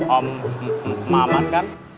om maman kan